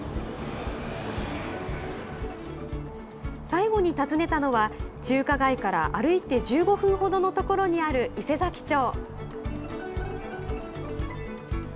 最後に訪ねたのは、中華街から歩いて１５分ほどの所にある伊勢佐木町。